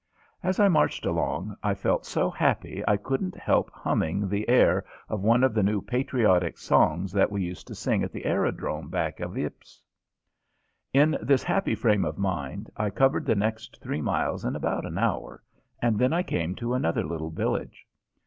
As I marched along I felt so happy I couldn't help humming the air of one of the new patriotic songs that we used to sing at the aerodrome back of Ypres. In this happy fame of mind I covered the next three miles in about an hour, and then I came to another little village.